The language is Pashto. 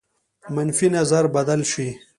منفي نظر بدل شي.